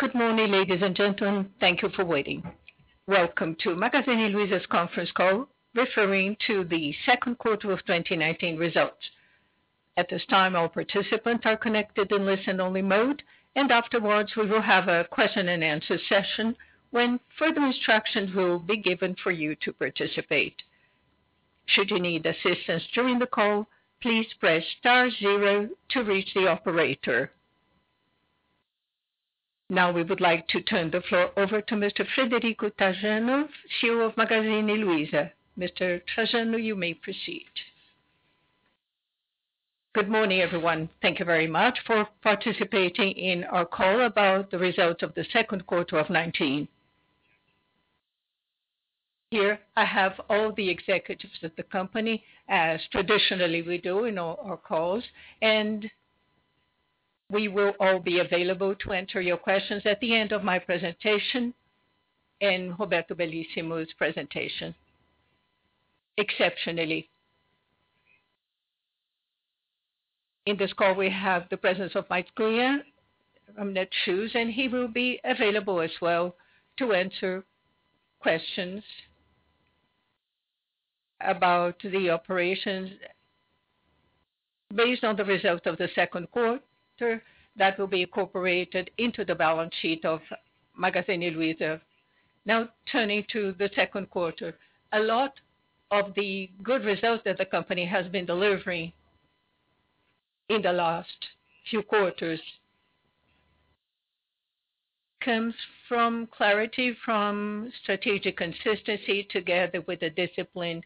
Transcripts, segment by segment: Good morning, ladies and gentlemen. Thank you for waiting. Welcome to Magazine Luiza's conference call referring to the second quarter of 2019 results. At this time, all participants are connected in listen only mode, afterwards we will have a question and answer session when further instructions will be given for you to participate. Should you need assistance during the call, please press star zero to reach the operator. Now we would like to turn the floor over to Mr. Frederico Trajano, CEO of Magazine Luiza. Mr. Trajano, you may proceed. Good morning, everyone. Thank you very much for participating in our call about the results of the second quarter of 2019. Here I have all the executives of the company, as traditionally we do in all our calls. We will all be available to answer your questions at the end of my presentation and Roberto Bellissimo's presentation. Exceptionally. In this call, we have the presence of Márcio Kumruian from Netshoes, and he will be available as well to answer questions about the operations based on the results of the second quarter that will be incorporated into the balance sheet of Magazine Luiza. Now turning to the second quarter. A lot of the good results that the company has been delivering in the last few quarters comes from clarity, from strategic consistency together with the discipline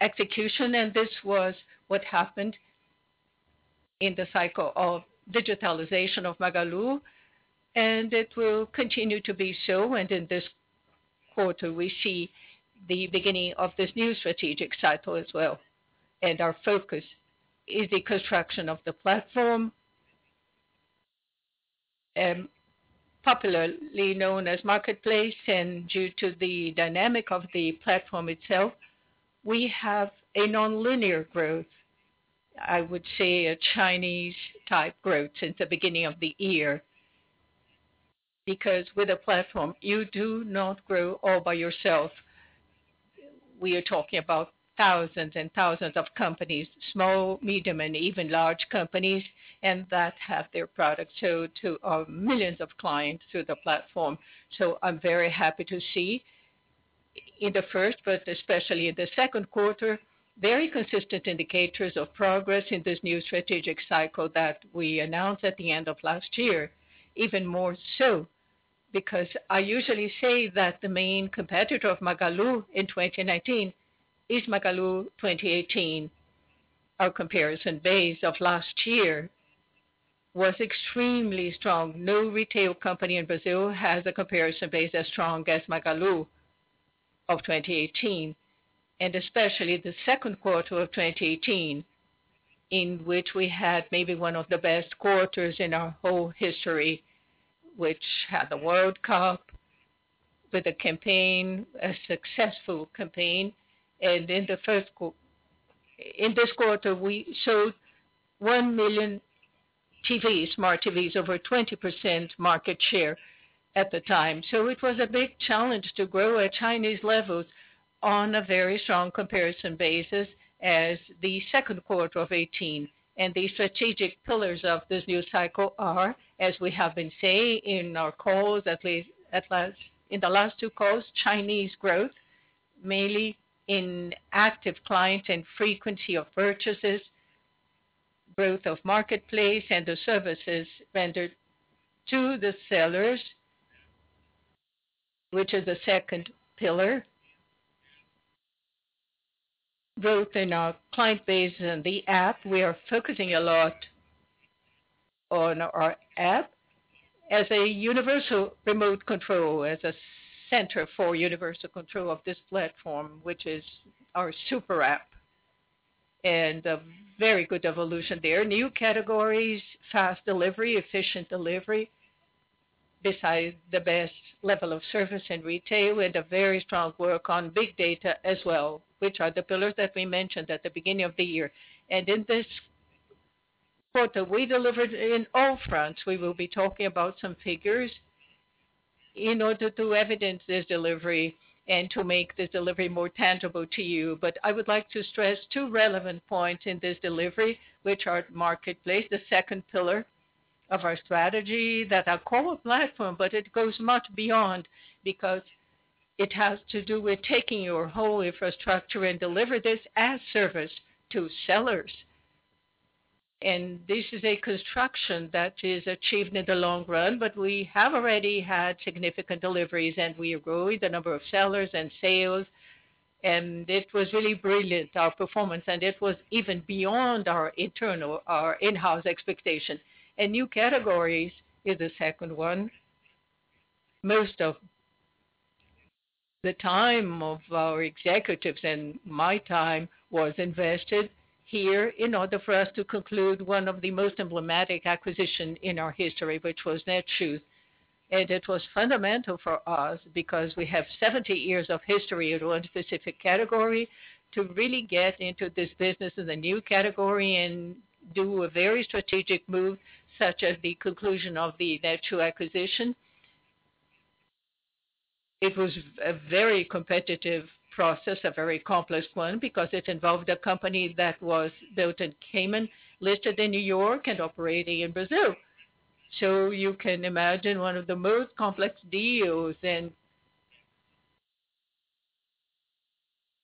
execution, and this was what happened in the cycle of digitalization of Magalu, and it will continue to be so. In this quarter, we see the beginning of this new strategic cycle as well. Our focus is the construction of the platform, popularly known as Marketplace. Due to the dynamic of the platform itself, we have a nonlinear growth, I would say a Chinese-type growth since the beginning of the year. With a platform, you do not grow all by yourself. We are talking about thousands and thousands of companies, small, medium, and even large companies, and that have their products sold to millions of clients through the platform. I'm very happy to see in the first, but especially in the second quarter, very consistent indicators of progress in this new strategic cycle that we announced at the end of last year. Even more so because I usually say that the main competitor of Magalu in 2019 is Magalu 2018. Our comparison base of last year was extremely strong. No retail company in Brazil has a comparison base as strong as Magalu of 2018, especially the second quarter of 2018, in which we had maybe one of the best quarters in our whole history, which had the World Cup with a campaign, a successful campaign. In this quarter, we sold 1 million TVs, smart TVs, over 20% market share at the time. It was a big challenge to grow at Chinese levels on a very strong comparison basis as the second quarter of 2018. The strategic pillars of this new cycle are, as we have been saying in our calls, at least in the last two calls, Chinese growth, mainly in active client and frequency of purchases, growth of Marketplace and the services rendered to the sellers, which is the second pillar. Growth in our client base and the app. We are focusing a lot on our app as a universal remote control, as a center for universal control of this platform, which is our SuperApp. A very good evolution there. New categories, fast delivery, efficient delivery, besides the best level of service and retail, and a very strong work on big data as well, which are the pillars that we mentioned at the beginning of the year. In this quarter, we delivered in all fronts. We will be talking about some figures in order to evidence this delivery and to make the delivery more tangible to you. I would like to stress two relevant points in this delivery, which are Marketplace, the second pillar of our strategy that our core platform, but it goes much beyond because it has to do with taking your whole infrastructure and deliver this as service to sellers. This is a construction that is achieved in the long run, but we have already had significant deliveries, and we grew the number of sellers and sales, and it was really brilliant, our performance, and it was even beyond our in-house expectation. New categories is the second one. Most of the time of our executives and my time was invested here in order for us to conclude one of the most emblematic acquisition in our history, which was Netshoes. It was fundamental for us because we have 70 years of history in one specific category to really get into this business in the new category and do a very strategic move, such as the conclusion of the Netshoes acquisition. It was a very competitive process, a very complex one, because it involved a company that was built in Cayman, listed in New York, and operating in Brazil. You can imagine one of the most complex deals.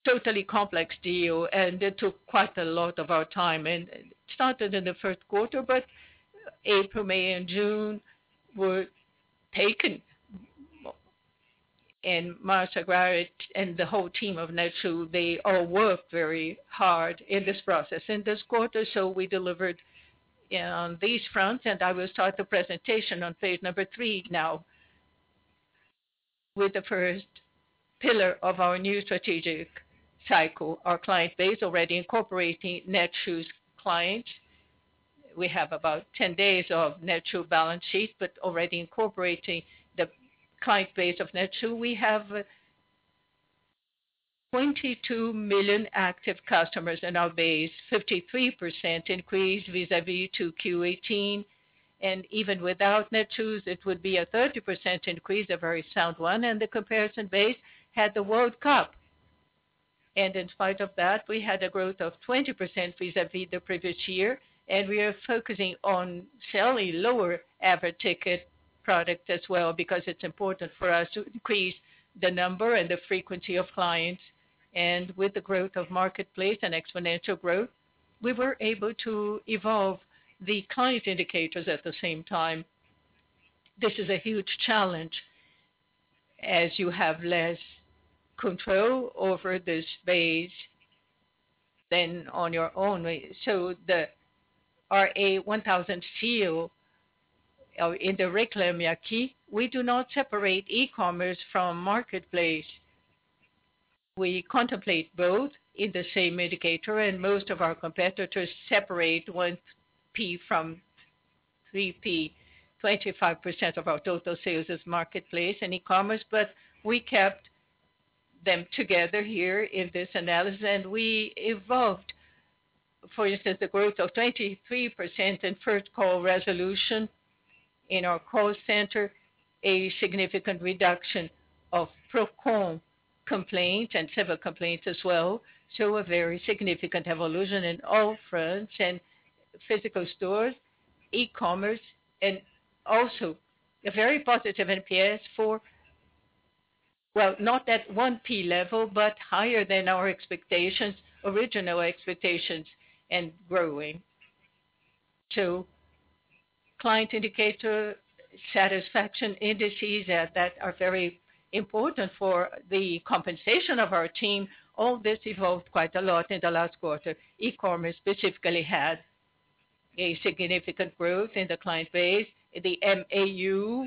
Totally complex deal. It took quite a lot of our time. It started in the first quarter, but April, May, and June were taken. Marcia Gripp and the whole team of Netshoes, they all worked very hard in this process. In this quarter, we delivered on these fronts, and I will start the presentation on page number three now. With the first pillar of our new strategic cycle, our client base already incorporating Netshoes clients. We have about 10 days of Netshoes balance sheet, but already incorporating the client base of Netshoes. We have 22 million active customers in our base, 33% increase vis-à-vis to Q18. Even without Netshoes, it would be a 30% increase, a very sound one, and the comparison base had the World Cup. In spite of that, we had a growth of 20% vis-à-vis the previous year. We are focusing on selling lower average ticket product as well because it's important for us to increase the number and the frequency of clients. With the growth of marketplace and exponential growth, we were able to evolve the client indicators at the same time. This is a huge challenge as you have less control over this base than on your own. The RA1000 seal in the Reclame Aqui, we do not separate e-commerce from marketplace. We contemplate both in the same indicator, and most of our competitors separate 1P from 3P. 25% of our total sales is marketplace and e-commerce, but we kept them together here in this analysis. We evolved, for instance, the growth of 23% in first call resolution in our call center, a significant reduction of PROCON complaints and civil complaints as well. A very significant evolution in all fronts and physical stores, e-commerce. Also a very positive NPS for, well, not at 1P level, but higher than our expectations, original expectations, and growing. Client indicator satisfaction indices that are very important for the compensation of our team. All this evolved quite a lot in the last quarter. E-commerce specifically had a significant growth in the client base. The MAU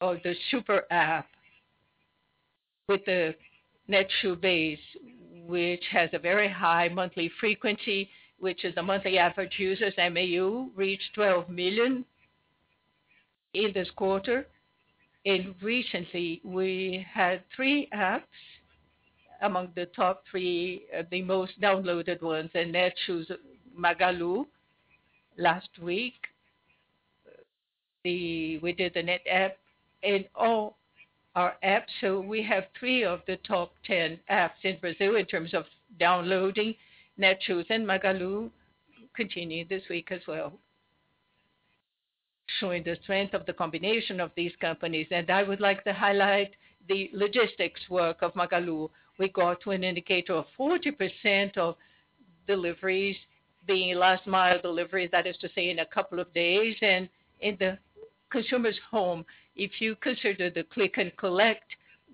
of the SuperApp with the Netshoes base, which has a very high monthly frequency, which is the Monthly Average Users, MAU, reached 12 million in this quarter. Recently we had three apps among the top three, the most downloaded ones, and Netshoes, Magalu last week. We did the Net app and all our apps. We have three of the top 10 apps in Brazil in terms of downloading. Netshoes and Magalu continued this week as well, showing the strength of the combination of these companies. I would like to highlight the logistics work of Magalu. We got to an indicator of 40% of deliveries being last mile deliveries. That is to say, in a couple of days. In the consumer's home, if you consider the click and collect,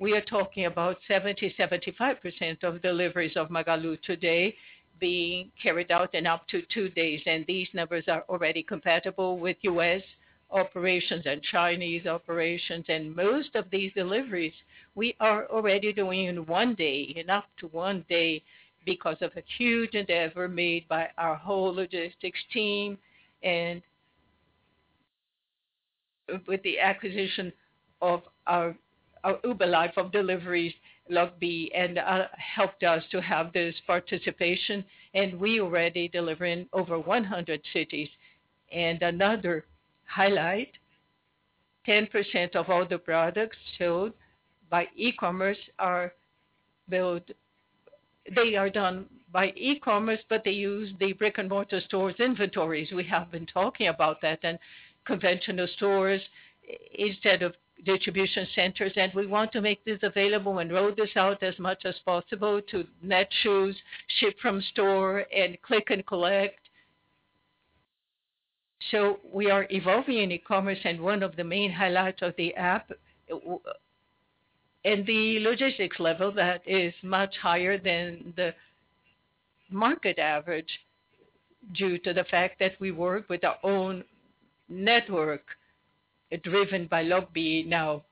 we are talking about 70%, 75% of deliveries of Magalu today being carried out in up to two days. These numbers are already compatible with U.S. operations and Chinese operations. Most of these deliveries, we are already doing in one day, in up to one day, because of a huge endeavor made by our whole logistics team. With the acquisition of our Uber life of deliveries, Loggi, helped us to have this participation. We already deliver in over 100 cities. Another highlight, 10% of all the products sold by e-commerce are done by e-commerce, but they use the brick-and-mortar stores inventories. We have been talking about that and conventional stores instead of distribution centers. We want to make this available and roll this out as much as possible to Netshoes, ship from store, and click and collect. We are evolving in e-commerce, and one of the main highlights of the app at the logistics level, that is much higher than the market average due to the fact that we work with our own network driven by Loggi now.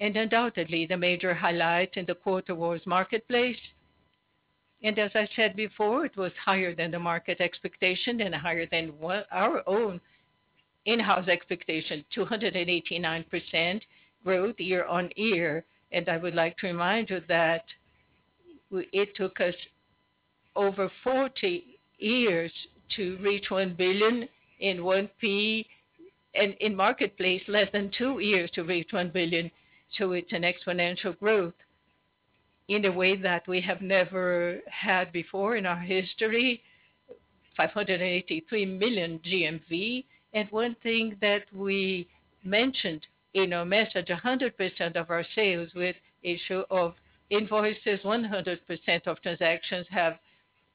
Undoubtedly, the major highlight in the quarter was Marketplace. As I said before, it was higher than the market expectation and higher than our own in-house expectation, 289% growth year-over-year. I would like to remind you that it took us over 40 years to reach 1 billion in one peak, and in Marketplace, less than two years to reach 1 billion. It's an exponential growth in a way that we have never had before in our history, 583 million GMV. One thing that we mentioned in our message, 100% of our sales with issue of invoices, 100% of transactions have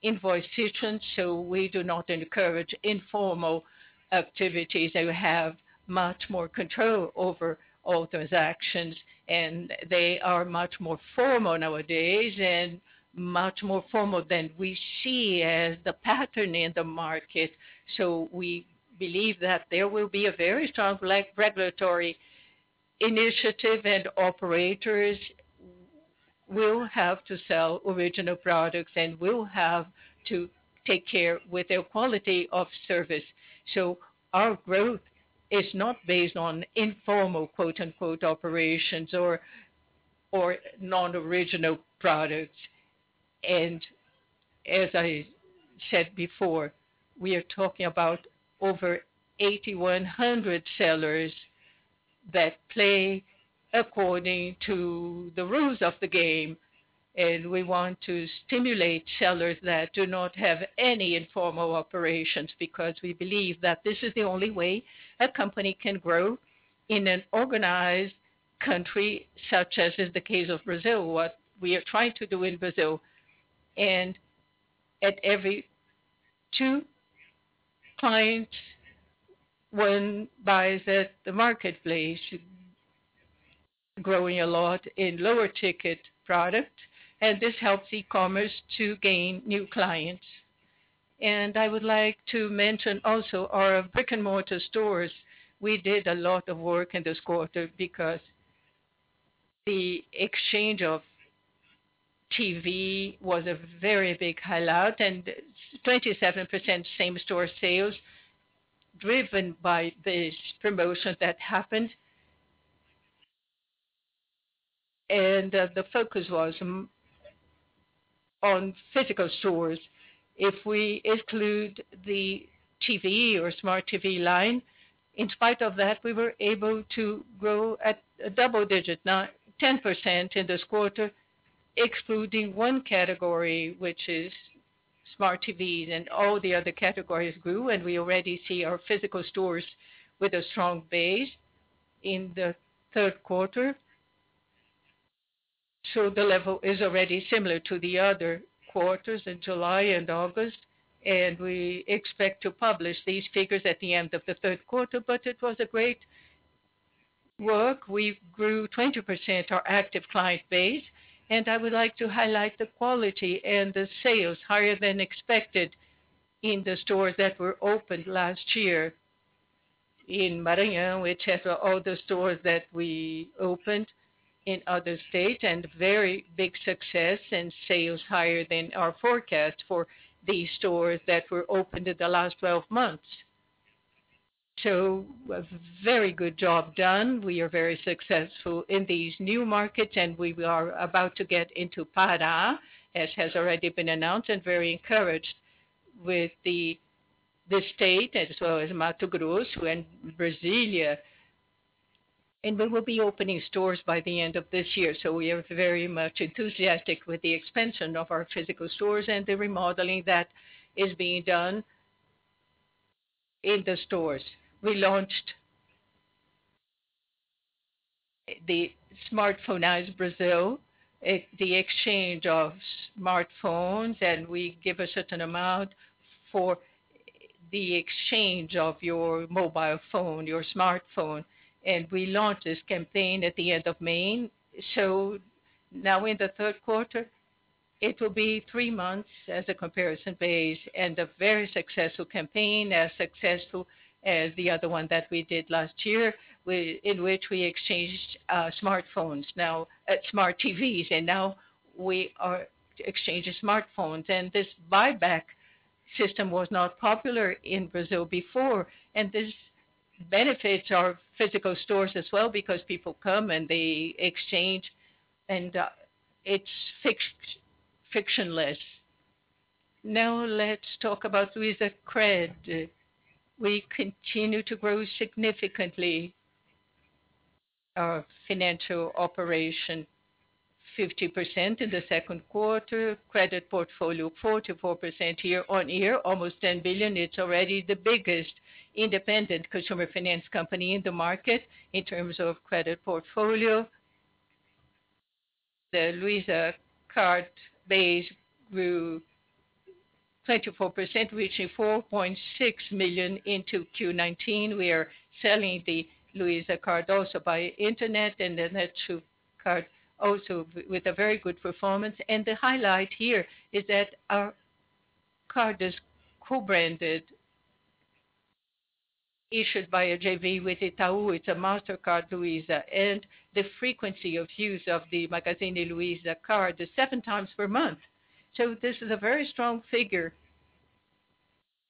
invoicing. We do not encourage informal activities. They have much more control over all transactions, and they are much more firm nowadays and much more formal than we see as the pattern in the market. We believe that there will be a very strong regulatory initiative, and operators will have to sell original products and will have to take care with their quality of service. Our growth is not based on informal, quote-unquote, operations or non-original products. As I said before, we are talking about over 8,100 sellers that play according to the rules of the game, and we want to stimulate sellers that do not have any informal operations because we believe that this is the only way a company can grow in an organized country, such as is the case of Brazil, what we are trying to do in Brazil. At every two clients, one buys at the marketplace, growing a lot in lower ticket product, and this helps e-commerce to gain new clients. I would like to mention also our brick-and-mortar stores. We did a lot of work in this quarter because the exchange of TV was a very big highlight, and 27% same-store sales driven by this promotion that happened. The focus was on physical stores. If we include the TV or smart TV line, in spite of that, we were able to grow at a double digit, now 10% in this quarter, excluding one category, which is smart TVs, and all the other categories grew, and we already see our physical stores with a strong base in the third quarter. The level is already similar to the other quarters in July and August, and we expect to publish these figures at the end of the third quarter, but it was a great work. We grew 20% our active client base, and I would like to highlight the quality and the sales higher than expected in the stores that were opened last year in Maranhão, which has all the stores that we opened in other states, and very big success and sales higher than our forecast for these stores that were opened in the last 12 months. A very good job done. We are very successful in these new markets, and we are about to get into Pará, as has already been announced, and very encouraged with the state as well as Mato Grosso and Brasilia. We will be opening stores by the end of this year, so we are very much enthusiastic with the expansion of our physical stores and the remodeling that is being done in the stores. We launched the Smartphoniza Brasil, the exchange of smartphones, we give a certain amount for the exchange of your mobile phone, your smartphone. We launched this campaign at the end of May. Now in the third quarter, it will be three months as a comparison base and a very successful campaign, as successful as the other one that we did last year, in which we exchanged smartphones. Now at smart TVs, now we are exchanging smartphones. This buyback system was not popular in Brazil before. This benefits our physical stores as well because people come, and they exchange, and it's frictionless. Now let's talk about LuizaCred. We continue to grow significantly our financial operation, 50% in the second quarter, credit portfolio 44% year-on-year, almost 10 billion. It's already the biggest independent consumer finance company in the market in terms of credit portfolio. The Cartão Luiza base grew 24%, reaching 4.6 million into Q19. We are selling the Cartão Luiza also by internet, and the Netshoes card also with a very good performance. The highlight here is that our card is co-branded, issued by a JV with Itaú. It's a Cartão Luiza Mastercard. The frequency of use of the Magazine Luiza card is seven times per month. This is a very strong figure,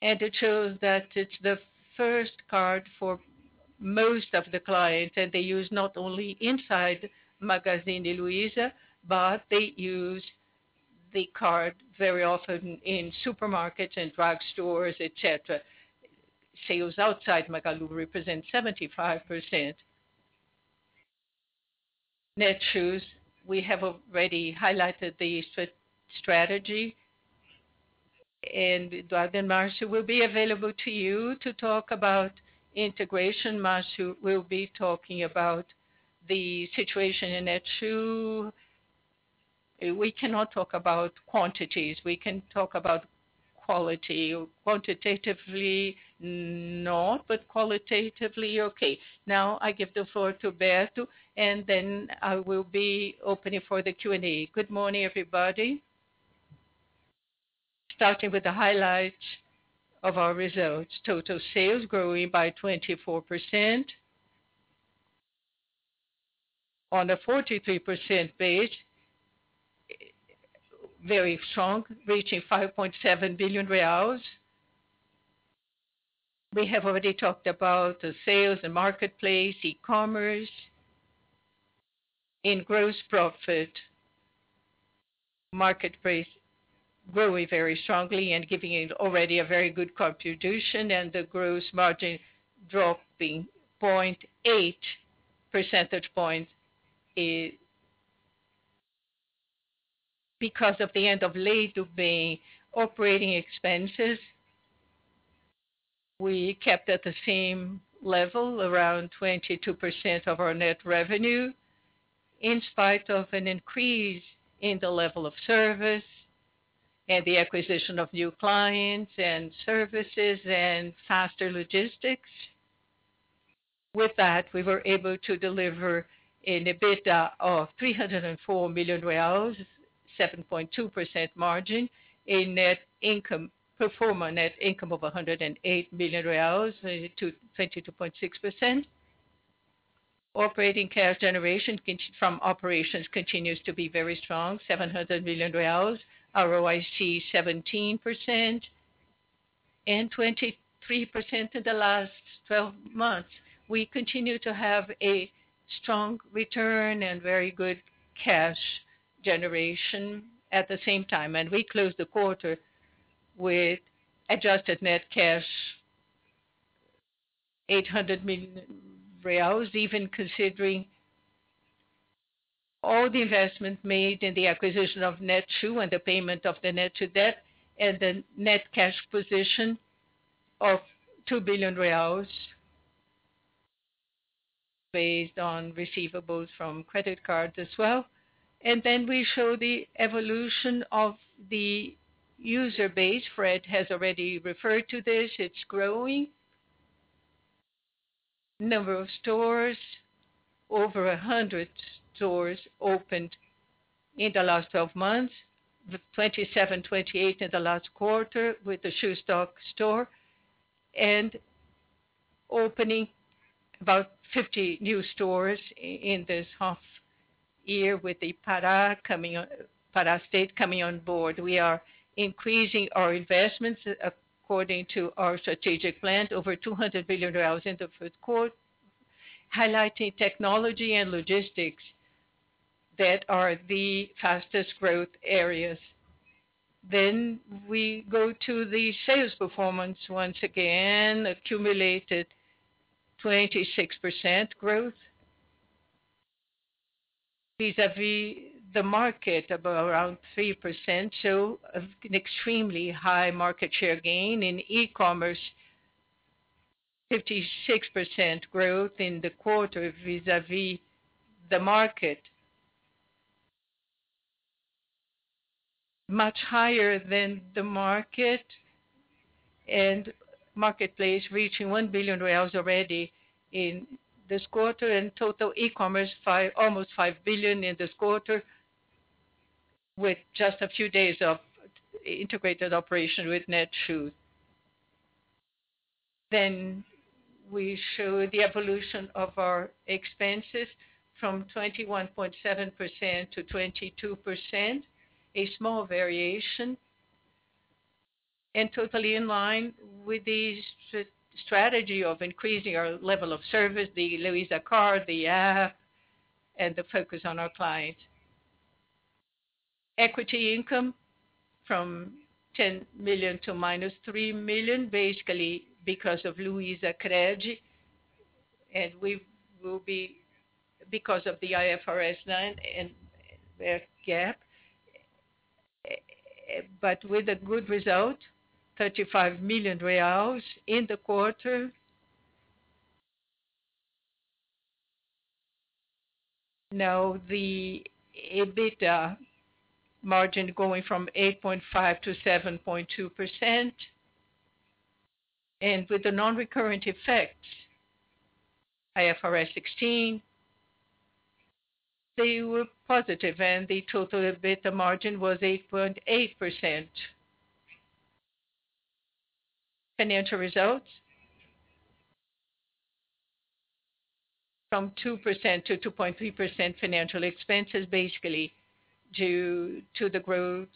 and it shows that it's the first card for most of the clients, and they use not only inside Magazine Luiza, but they use the card very often in supermarkets and drugstores, et cetera. Sales outside Magalu represent 75%. Netshoes, we have already highlighted the strategy, and Roger and Marcio will be available to you to talk about integration. Marcio will be talking about the situation in Netshoes. We cannot talk about quantities. We can talk about quality. Quantitatively, no, but qualitatively, okay. Now, I give the floor to Berto, and then I will be opening for the Q&A. Good morning, everybody. Starting with the highlights of our results, total sales growing by 24%. On a 43% base, very strong, reaching 5.7 billion reais. We have already talked about the sales, the Marketplace, e-commerce. In gross profit, Marketplace growing very strongly and giving it already a very good contribution, and the gross margin dropping 0.8 percentage points because of the end of Lei do Bem. Operating expenses, we kept at the same level, around 22% of our net revenue, in spite of an increase in the level of service and the acquisition of new clients and services and faster logistics. With that, we were able to deliver an EBITDA of 304 million reais, 7.2% margin. Perform on net income of 108 million reais to 22.6%. Operating cash generation from operations continues to be very strong, 700 million reais, ROIC 17%, and 23% in the last 12 months. We continue to have a strong return and very good cash generation at the same time. We closed the quarter with adjusted net cash 800 million reais, even considering all the investments made in the acquisition of Netshoes and the payment of the Netshoes debt. The net cash position of BRL 2 billion based on receivables from credit cards as well. We show the evolution of the user base. Fred has already referred to this. It's growing. Number of stores, over 100 stores opened in the last 12 months, with 27, 28 in the last quarter with the Shoestock store. Opening about 50 new stores in this half year with the Pará state coming on board. We are increasing our investments according to our strategic plans, over BRL 200 billion in the first quarter, highlighting technology and logistics that are the fastest growth areas. We go to the sales performance. Once again, accumulated 26% growth vis-a-vis the market of around 3%, an extremely high market share gain. In e-commerce, 56% growth in the quarter vis-a-vis the market. Much higher than the market. Marketplace reaching 1 billion reais already in this quarter. Total e-commerce almost 5 billion in this quarter with just a few days of integrated operation with Netshoes. We show the evolution of our expenses from 21.7% to 22%, a small variation and totally in line with the strategy of increasing our level of service, the Luiza card, the app, and the focus on our clients. Equity income from 10 million to minus 3 million, basically because of LuizaCred, and because of the IFRS 9 and fair gap. With a good result, 35 million reais in the quarter. The EBITDA margin going from 8.5% to 7.2%. With the non-recurrent effects, IFRS 16. They were positive, and the total EBITDA margin was 8.8%. Financial results. From 2% to 2.3% financial expenses, basically due to the growth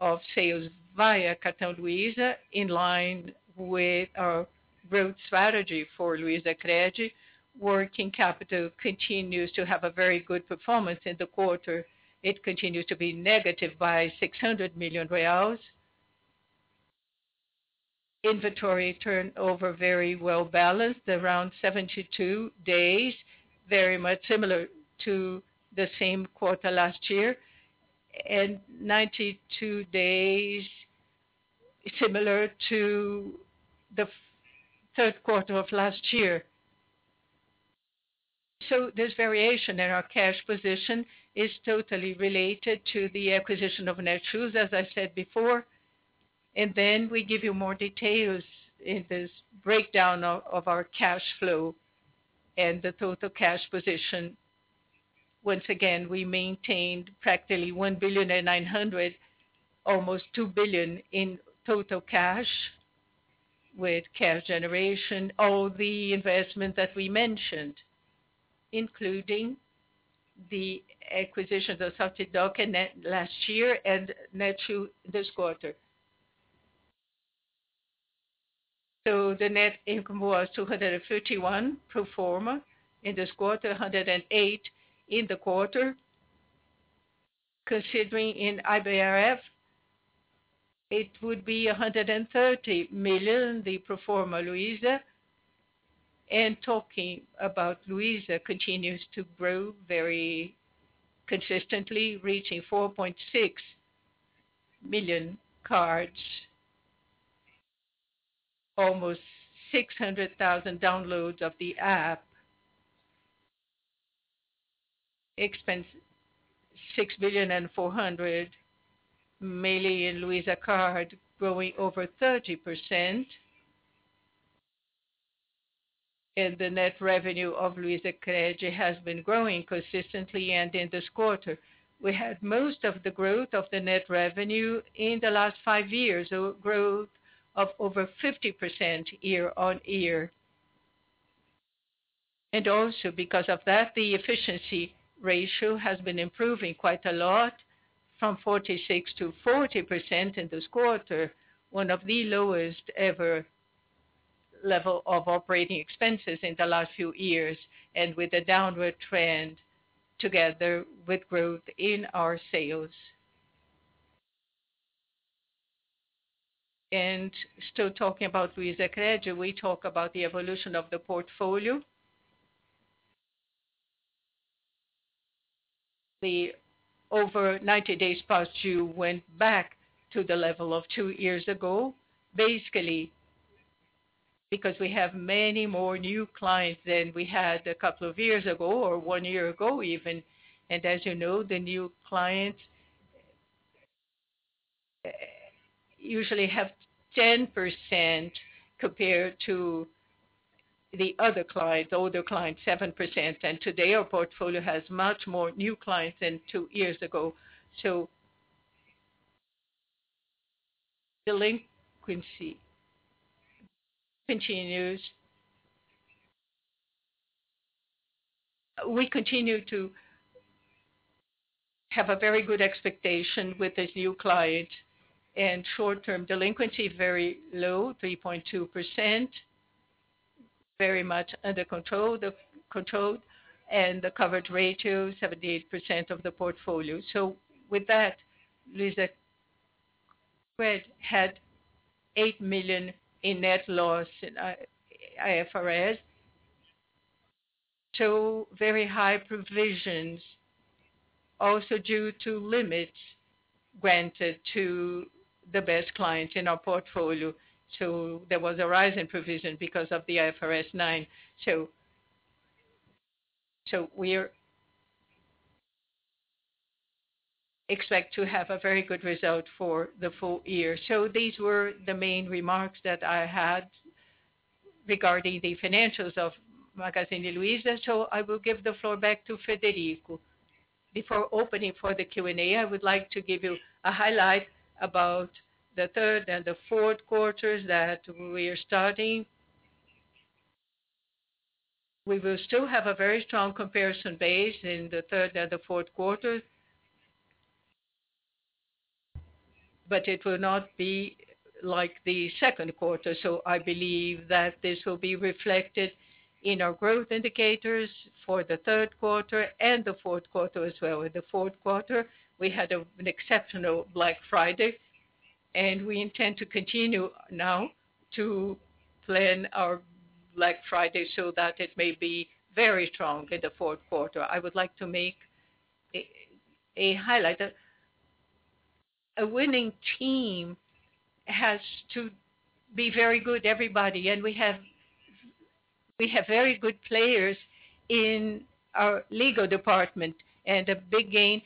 of sales via Cartão Luiza, in line with our growth strategy for LuizaCred. Working capital continues to have a very good performance in the quarter. It continues to be negative by 600 million reais. Inventory turnover very well balanced, around 72 days, very much similar to the same quarter last year, and 92 days similar to the third quarter of last year. This variation in our cash position is totally related to the acquisition of Netshoes, as I said before. We give you more details in this breakdown of our cash flow and the total cash position. Once again, we maintained practically 1.9 billion, almost 2 billion in total cash with cash generation. All the investment that we mentioned, including the acquisition of Softbox last year and Netshoes this quarter. The net income was 251 million pro forma in this quarter, 108 million in the quarter. Considering in IFRS, it would be 130 million, the pro forma LuizaCred. Talking about LuizaCred continues to grow very consistently, reaching 4.6 million cards. Almost 600,000 downloads of the app. Expense, 6.4 billion. Cartão Luiza growing over 30%. The net revenue of LuizaCred has been growing consistently and in this quarter. We had most of the growth of the net revenue in the last five years, a growth of over 50% year-over-year. Also because of that, the efficiency ratio has been improving quite a lot from 46%-40% in this quarter, one of the lowest ever level of operating expenses in the last few years and with a downward trend together with growth in our sales. Still talking about LuizaCred, we talk about the evolution of the portfolio. The over 90 days past due went back to the level of two years ago, basically because we have many more new clients than we had a couple of years ago or one year ago even. As you know, the new clients usually have 10% compared to the other clients, older clients, 7%. Today, our portfolio has much more new clients than two years ago. Delinquency continues. We continue to have a very good expectation with these new clients. Short-term delinquency very low, 3.2%, very much under control. The coverage ratio, 78% of the portfolio. With that, LuizaCred had 8 million in net loss in IFRS. Very high provisions also due to limits granted to the best clients in our portfolio. There was a rise in provision because of the IFRS 9. We expect to have a very good result for the full year. These were the main remarks that I had regarding the financials of Magazine Luiza. I will give the floor back to Frederico. Before opening for the Q&A, I would like to give you a highlight about the third and the fourth quarters that we are starting. We will still have a very strong comparison base in the third and the fourth quarters, but it will not be like the second quarter. I believe that this will be reflected in our growth indicators for the third quarter and the fourth quarter as well. In the fourth quarter, we had an exceptional Black Friday, and we intend to continue now to plan our Black Friday so that it may be very strong in the fourth quarter. I would like to make a highlight. A winning team has to be very good everybody. We have very good players in our legal department and a big gain.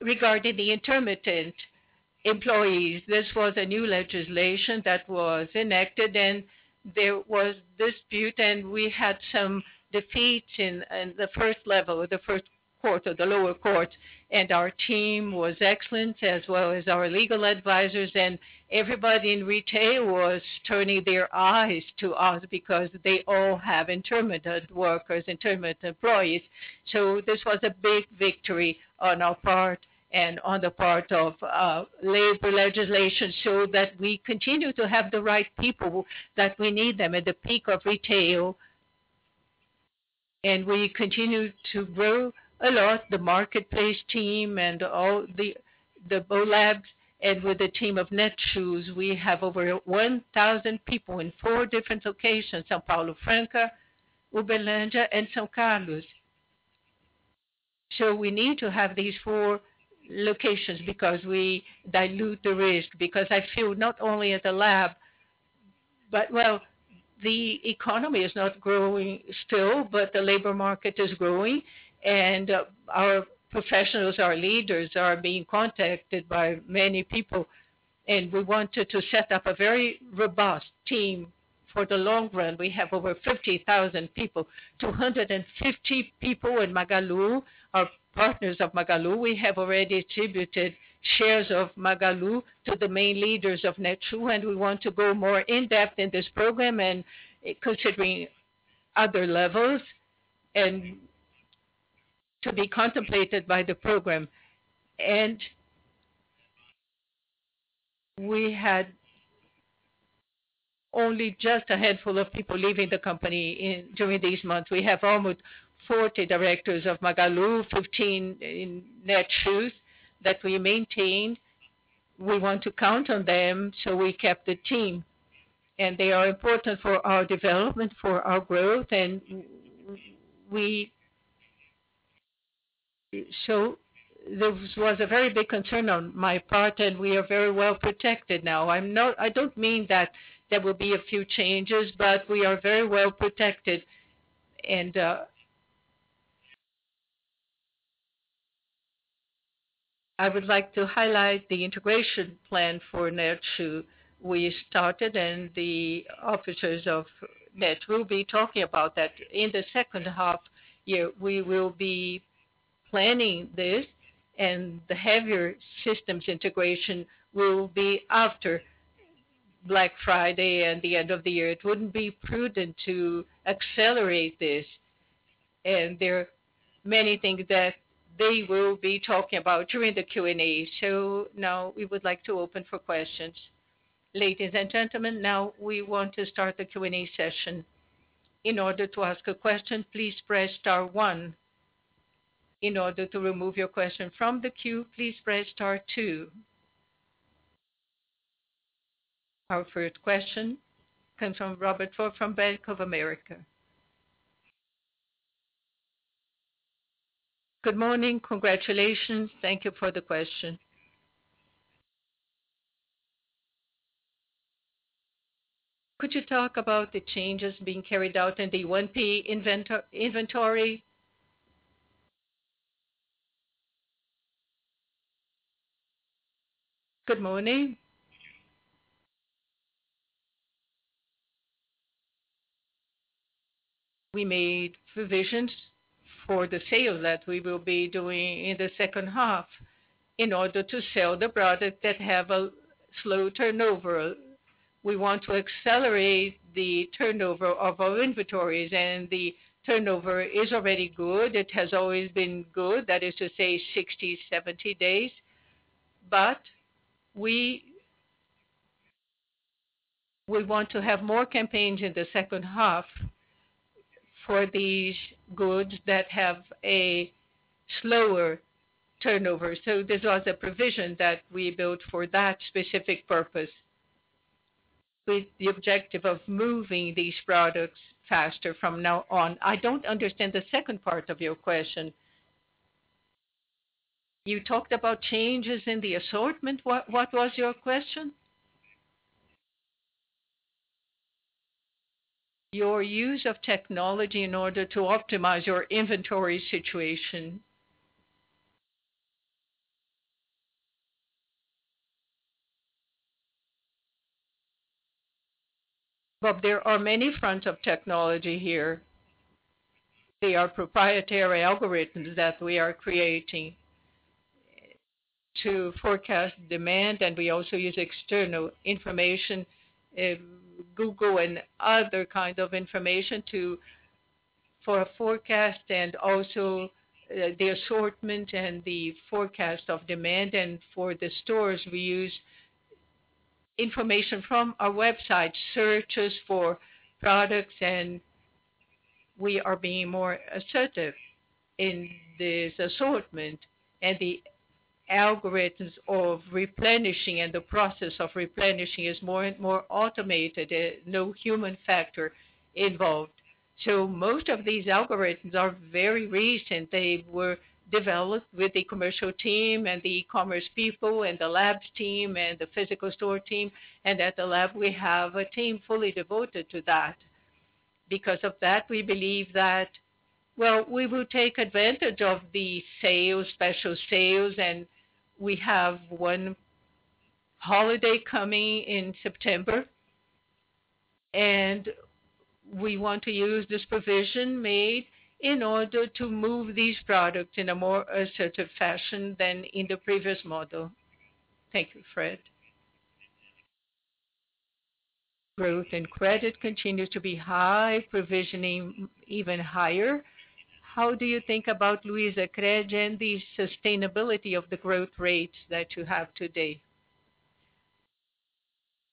Regarding the intermittent employees, this was a new legislation that was enacted, and there was dispute, and we had some defeats in the first level, or the first court, or the lower court. Our team was excellent, as well as our legal advisors. Everybody in retail was turning their eyes to us because they all have intermittent workers, intermittent employees. This was a big victory on our part and on the part of labor legislation, so that we continue to have the right people, that we need them at the peak of retail. We continue to grow a lot, the marketplace team and all the labs. With the team of Netshoes, we have over 1,000 people in four different locations, São Paulo, Franca, Uberlândia, and São Carlos. We need to have these four locations because we dilute the risk. I feel not only at the lab, but, well, the economy is not growing still, but the labor market is growing. Our professionals, our leaders, are being contacted by many people. We wanted to set up a very robust team for the long run. We have over 50,000 people. 250 people in Magalu, our partners of Magalu. We have already attributed shares of Magalu to the main leaders of Netshoes, and we want to go more in-depth in this program and considering other levels, and to be contemplated by the program. We had only just a handful of people leaving the company during these months. We have almost 40 directors of Magalu, 15 in Netshoes, that we maintained. We want to count on them, so we kept the team. They are important for our development, for our growth. This was a very big concern on my part, and we are very well protected now. I don't mean that there will be a few changes, but we are very well protected. I would like to highlight the integration plan for Netshoes we started, and the officers of Net will be talking about that. In the second half year, we will be planning this, and the heavier systems integration will be after Black Friday and the end of the year. It wouldn't be prudent to accelerate this. There are many things that they will be talking about during the Q&A. Now we would like to open for questions. Ladies and gentlemen, now we want to start the Q&A session. In order to ask a question, please press star one. In order to remove your question from the queue, please press star two. Our first question comes from Robert Ford from Bank of America. Good morning. Congratulations. Thank you for the question. Could you talk about the changes being carried out in the 1P inventory? Good morning. We made provisions for the sale that we will be doing in the second half in order to sell the products that have a slow turnover. We want to accelerate the turnover of our inventories, and the turnover is already good. It has always been good. That is to say, 60, 70 days. We want to have more campaigns in the second half for these goods that have a slower turnover. This was a provision that we built for that specific purpose, with the objective of moving these products faster from now on. I don't understand the second part of your question. You talked about changes in the assortment. What was your question? Your use of technology in order to optimize your inventory situation. Rob, there are many fronts of technology here. They are proprietary algorithms that we are creating to forecast demand, and we also use external information, Google and other kind of information, for a forecast and also the assortment and the forecast of demand. For the stores, we use information from our website, searches for products, and we are being more assertive in this assortment. The algorithms of replenishing and the process of replenishing is more and more automated. No human factor involved. Most of these algorithms are very recent. They were developed with the commercial team and the e-commerce people and the labs team and the physical store team. At the lab, we have a team fully devoted to that. Because of that, we believe that we will take advantage of the special sales, and we have one holiday coming in September. We want to use this provision made in order to move these products in a more assertive fashion than in the previous model. Thank you, Fred. Growth in credit continues to be high, provisioning even higher. How do you think about LuizaCred and the sustainability of the growth rates that you have today?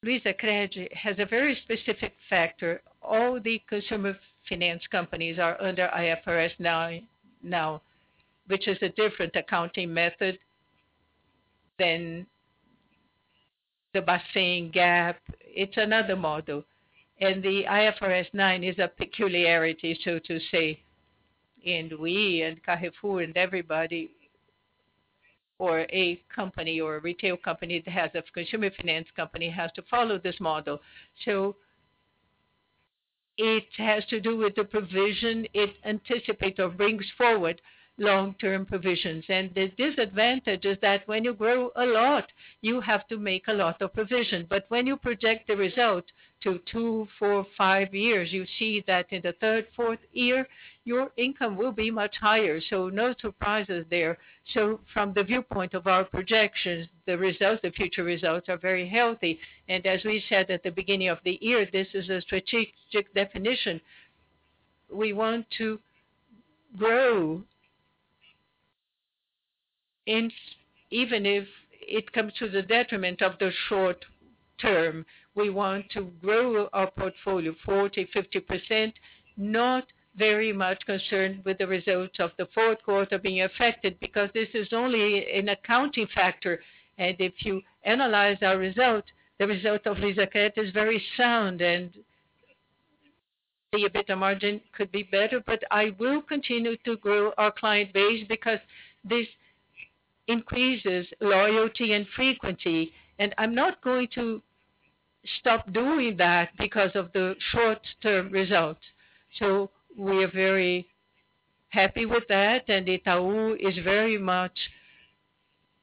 LuizaCred has a very specific factor. All the consumer finance companies are under IFRS now, which is a different accounting method than the Basel Accord. It's another model. The IFRS 9 is a peculiarity, so to say, and we and Carrefour and everybody, or a company or a retail company that has a consumer finance company, has to follow this model. It has to do with the provision. It anticipates or brings forward long-term provisions. The disadvantage is that when you grow a lot, you have to make a lot of provision. When you project the result to 2, 4, 5 years, you see that in the third, fourth year, your income will be much higher. No surprises there. From the viewpoint of our projections, the future results are very healthy. As we said at the beginning of the year, this is a strategic definition. We want to grow, even if it comes to the detriment of the short term. We want to grow our portfolio 40%, 50%, not very much concerned with the results of the fourth quarter being affected because this is only an accounting factor. If you analyze our result, the result of LuizaCred is very sound, and the EBITDA margin could be better, but I will continue to grow our client base because this increases loyalty and frequency. I'm not going to stop doing that because of the short-term results. We are very happy with that, and Itaú is very much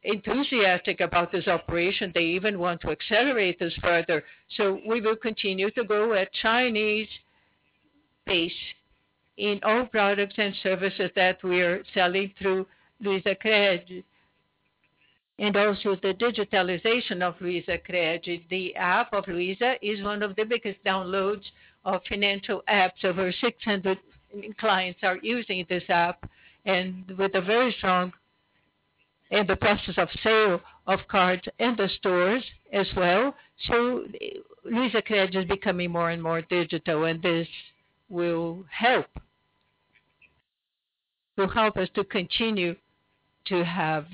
enthusiastic about this operation. They even want to accelerate this further. We will continue to grow at Chinese pace in all products and services that we are selling through LuizaCred. Also the digitalization of LuizaCred. The app of Luiza is one of the biggest downloads of financial apps. Over 600 clients are using this app in the process of sale of cards in the stores as well. LuizaCred is becoming more and more digital, and this will help us to continue to have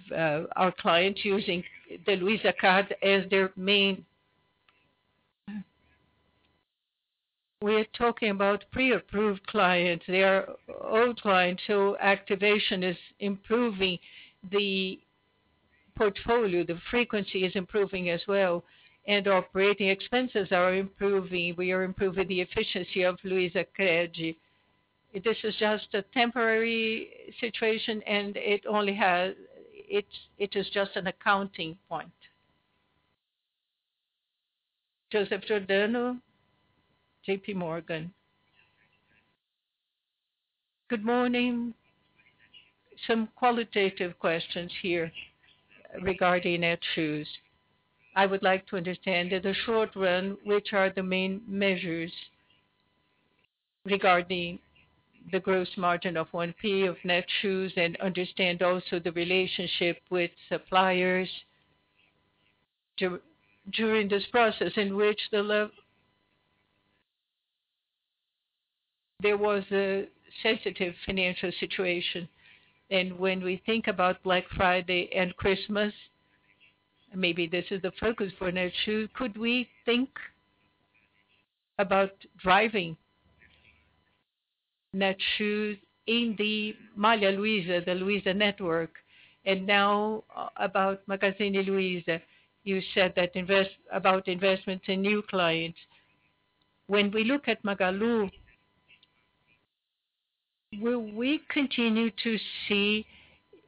our clients using the Luiza card as their main. We are talking about pre-approved clients. They are all clients, activation is improving the portfolio. The frequency is improving as well, operating expenses are improving. We are improving the efficiency of LuizaCred. This is just a temporary situation, it is just an accounting point. Joseph Giordano, JPMorgan. Good morning. Some qualitative questions here regarding Netshoes. I would like to understand in the short run, which are the main measures regarding the gross margin of 1P, of Netshoes, and understand also the relationship with suppliers during this process in which there was a sensitive financial situation, and when we think about Black Friday and Christmas, maybe this is the focus for Netshoes. Could we think about driving Netshoes in the Malha Luiza, the Luiza network? Now about Magazine Luiza. You said about investments in new clients. When we look at Magalu, will we continue to see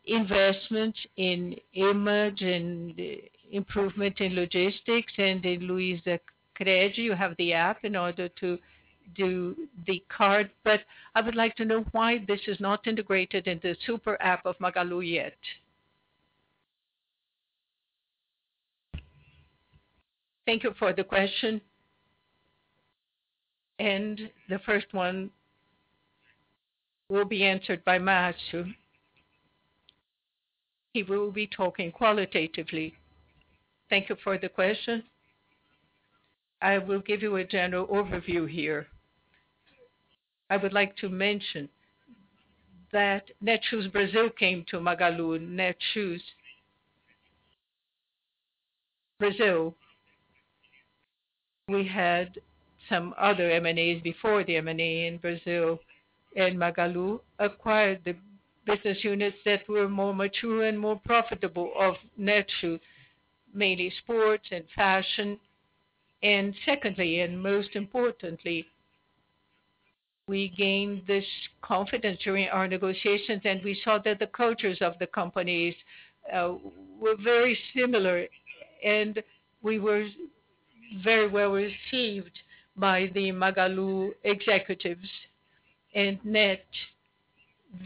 investments in image and improvement in logistics and in LuizaCred? You have the app in order to do the card, but I would like to know why this is not integrated in the SuperApp of Magalu yet. Thank you for the question. The first one will be answered by Marcio. He will be talking qualitatively. Thank you for the question. I will give you a general overview here. I would like to mention that Netshoes Brazil came to Magalu. Netshoes Brazil. We had some other M&As before the M&A in Brazil, and Magalu acquired the business units that were more mature and more profitable of Netshoes. Mainly sports and fashion. Secondly, and most importantly, we gained this confidence during our negotiations, and we saw that the cultures of the companies were very similar. We were very well received by the Magalu executives. Net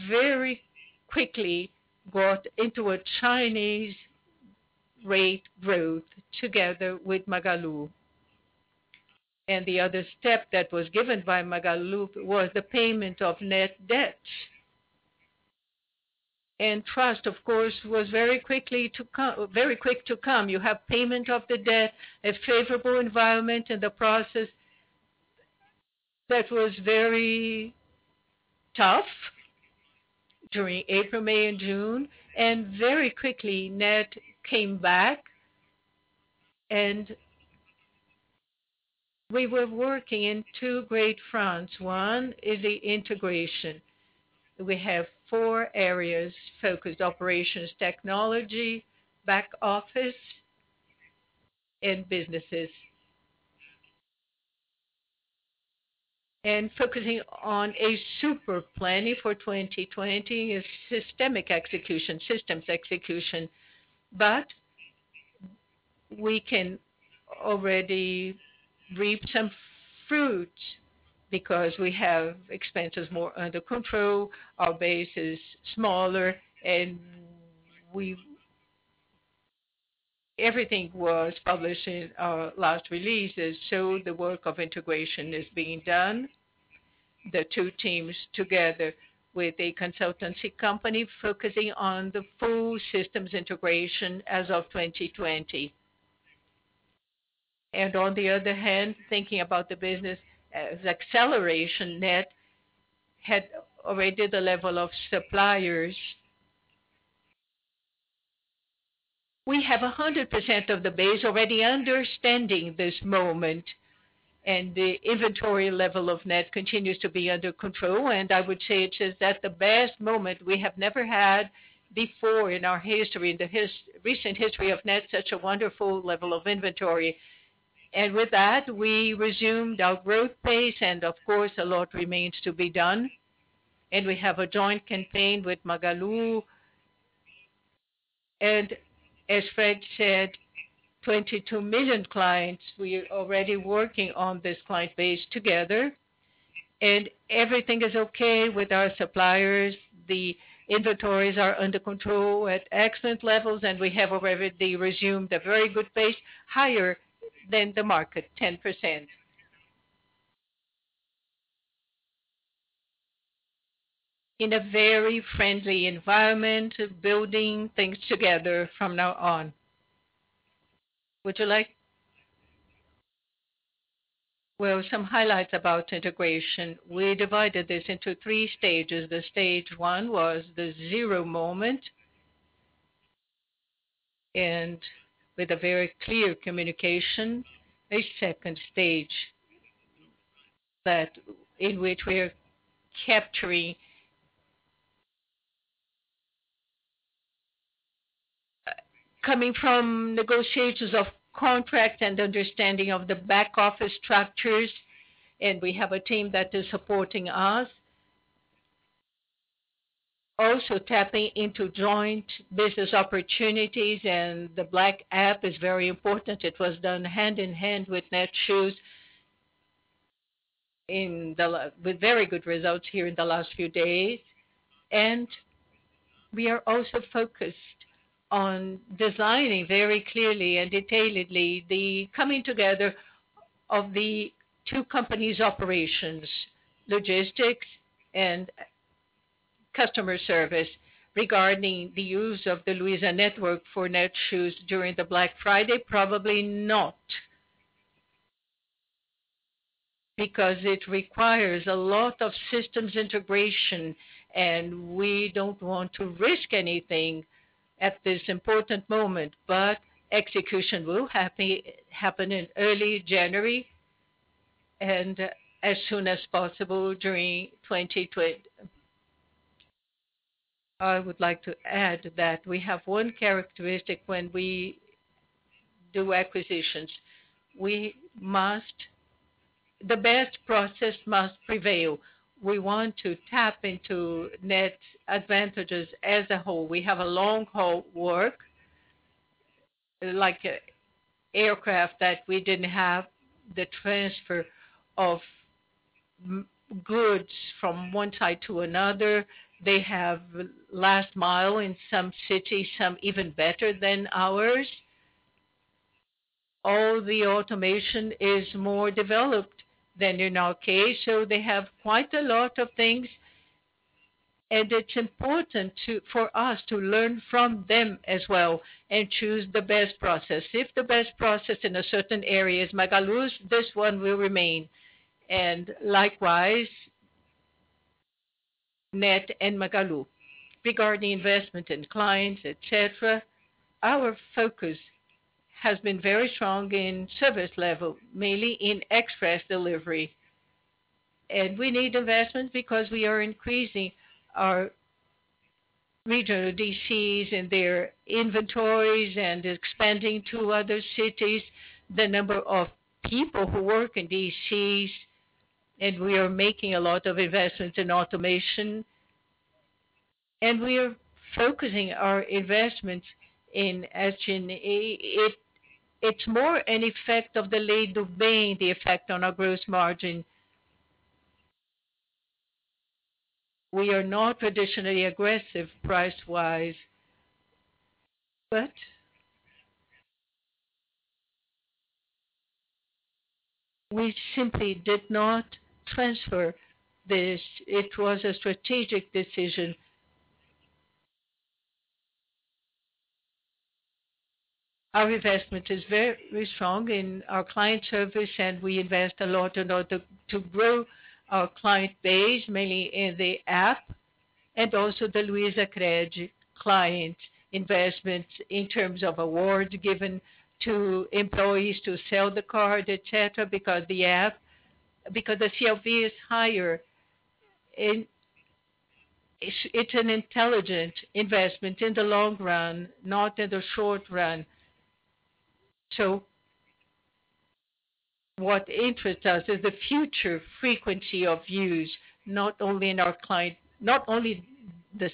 very quickly got into a Chinese rate growth together with Magalu. The other step that was given by Magalu was the payment of Net debt. Trust, of course, was very quick to come. You have payment of the debt, a favorable environment in the process that was very tough during April, May, and June. Very quickly, Net came back and we were working in two great fronts. One is the integration. We have four areas focused: operations, technology, back office, and businesses. Focusing on a super planning for 2020 is systemic execution, systems execution. We can already reap some fruits because we have expenses more under control, our base is smaller, and everything was published in our last releases show the work of integration is being done. The two teams together with a consultancy company focusing on the full systems integration as of 2020. On the other hand, thinking about the business as acceleration, Net had already the level of suppliers. We have 100% of the base already understanding this moment, and the inventory level of Net continues to be under control. I would say it is at the best moment. We have never had before in our history, in the recent history of Net, such a wonderful level of inventory. With that, we resumed our growth pace, and of course, a lot remains to be done. We have a joint campaign with Magalu. As Fred said, 22 million clients, we are already working on this client base together. Everything is okay with our suppliers. The inventories are under control at excellent levels, and we have already resumed a very good pace, higher than the market, 10%. In a very friendly environment of building things together from now on. Well, some highlights about integration. We divided this into 3 stages. The stage 1 was the zero moment, and with a very clear communication, a stage 2 that in which we are capturing. Coming from negotiations of contract and understanding of the back office structures, and we have a team that is supporting us. Also tapping into joint business opportunities, and the Black APP is very important. It was done hand in hand with Netshoes with very good results here in the last few days. We are also focused on designing very clearly and detailedly the coming together of the two companies' operations, logistics, and customer service. Regarding the use of the Luiza network for Netshoes during Black Friday, probably not. It requires a lot of systems integration, and we don't want to risk anything at this important moment. Execution will happen in early January and as soon as possible during 2020. I would like to add that we have one characteristic when we do acquisitions. The best process must prevail. We want to tap into Netshoes advantages as a whole. We have a long-haul work, like aircraft, that we didn't have the transfer of goods from one side to another. They have last mile in some cities, some even better than ours. All the automation is more developed than in our case. They have quite a lot of things. It's important for us to learn from them as well and choose the best process. If the best process in a certain area is Magalu's, this one will remain. Likewise, Net and Magalu. Regarding investment in clients, et cetera, our focus has been very strong in service level, mainly in express delivery. We need investments because we are increasing our regional DCs and their inventories and expanding to other cities, the number of people who work in DCs. We are making a lot of investments in automation, and we are focusing our investments in H&E. It's more an effect of the Lei do Bem, the effect on our gross margin. We are not traditionally aggressive price-wise, but we simply did not transfer this. It was a strategic decision. Our investment is very strong in our client service, and we invest a lot in order to grow our client base, mainly in the app, and also the LuizaCred client investments in terms of awards given to employees to sell the card, et cetera, because the CLV is higher. It's an intelligent investment in the long run, not in the short run. What interests us is the future frequency of use, not only the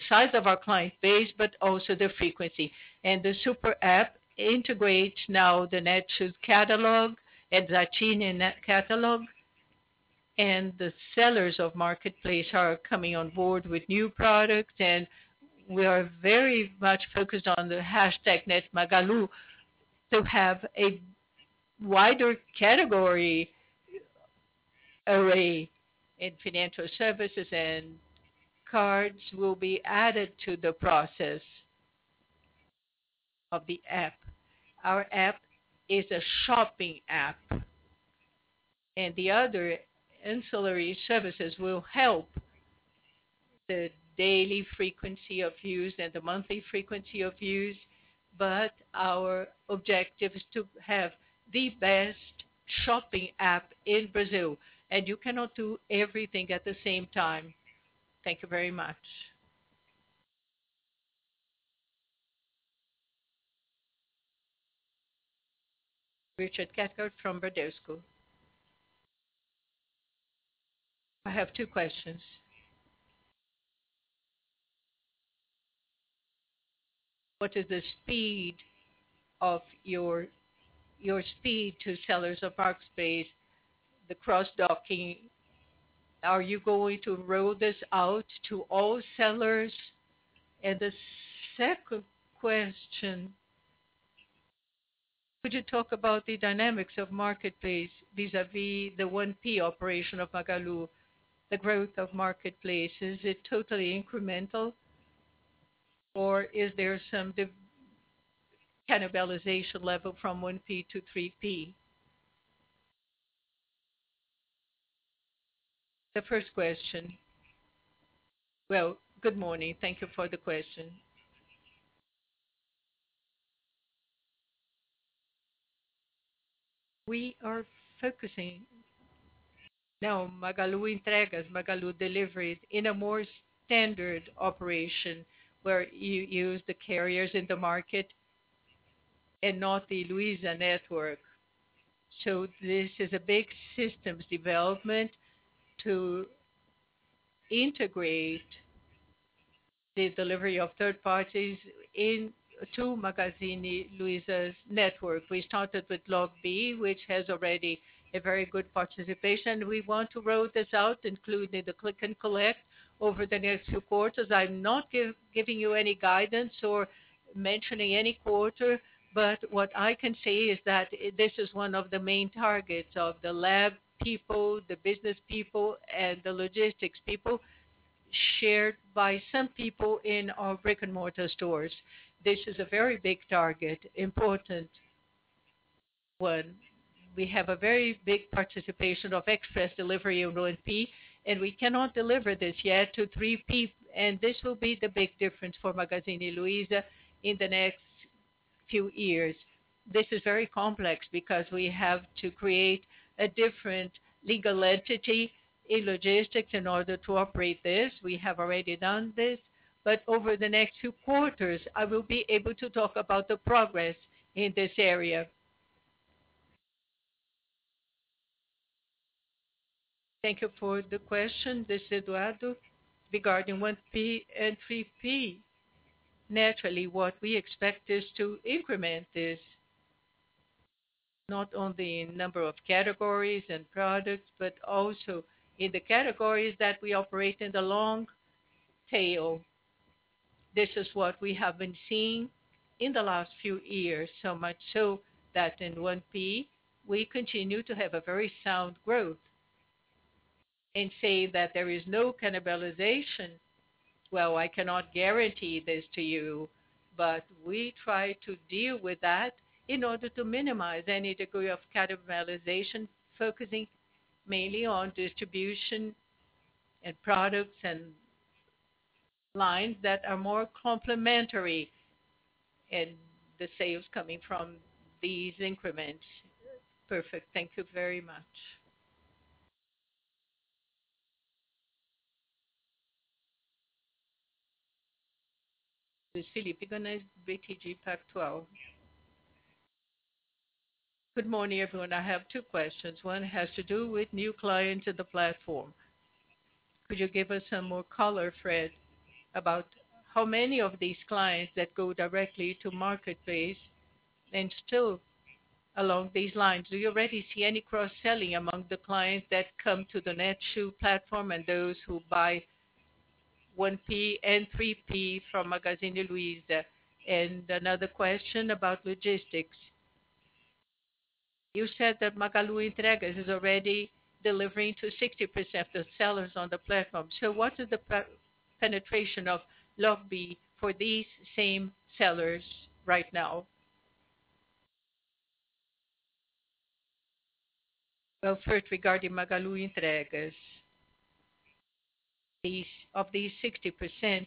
size of our client base, but also the frequency. The SuperApp integrates now the Netshoes catalog and Zattini catalog. The sellers of Marketplace are coming on board with new products, and we are very much focused on the hashtag Net Magalu to have a wider category array in financial services, and cards will be added to the process of the App. Our app is a shopping app. The other ancillary services will help the daily frequency of use and the monthly frequency of use. Our objective is to have the best shopping app in Brazil. You cannot do everything at the same time. Thank you very much. Richard Cathcart from Bradesco. I have two questions. What is the speed to sellers of Marketplace, the cross-docking? Are you going to roll this out to all sellers? The second question, could you talk about the dynamics of Marketplace vis-a-vis the 1P operation of Magalu, the growth of Marketplace? Is it totally incremental, or is there some cannibalization level from 1P to 3P? The first question. Well, good morning. Thank you for the question. We are focusing now on Magalu Entregas, Magalu Deliveries, in a more standard operation, where you use the carriers in the market and not the Malha Luiza. This is a big systems development to integrate the delivery of third parties into Magazine Luiza's network. We started with Loggi, which has already a very good participation. We want to roll this out, including the click and collect, over the next few quarters. I'm not giving you any guidance or mentioning any quarter, but what I can say is that this is one of the main targets of the lab people, the business people, and the logistics people, shared by some people in our brick-and-mortar stores. This is a very big target, important one. We have a very big participation of express delivery in 1P, we cannot deliver this yet to 3P, and this will be the big difference for Magazine Luiza in the next few years. This is very complex because we have to create a different legal entity in logistics in order to operate this. We have already done this, over the next few quarters, I will be able to talk about the progress in this area. Thank you for the question. This is Eduardo. Regarding 1P and 3P, naturally, what we expect is to increment this, not only in number of categories and products, but also in the categories that we operate in the long tail. This is what we have been seeing in the last few years, so much so that in 1P, we continue to have a very sound growth. Say that there is no cannibalization, well, I cannot guarantee this to you, but we try to deal with that in order to minimize any degree of cannibalization, focusing mainly on distribution and products and lines that are more complementary in the sales coming from these increments. Perfect. Thank you very much. Luiz Felipe Guanais, BTG Pactual. Good morning, everyone. I have two questions. One has to do with new clients in the platform. Could you give us some more color, Fred, about how many of these clients that go directly to marketplace? Two, along these lines, do you already see any cross-selling among the clients that come to the Netshoes platform and those who buy 1P and 3P from Magazine Luiza? Another question about logistics. You said that Magalu Entregas is already delivering to 60% of sellers on the platform. What is the penetration of Loggi for these same sellers right now? Well, first regarding Magalu Entregas. Of these 60%,